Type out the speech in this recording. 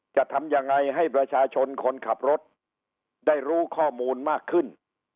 จะทำยังไงให้ประชาชนคนขับรถได้รู้ข้อมูลมากขึ้น